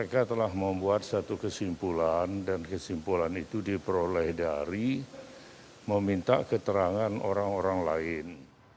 kesimpulan dan kesimpulan itu diperoleh dari meminta keterangan orang orang lain